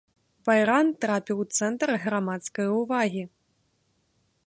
Байран трапіў у цэнтр грамадскае ўвагі.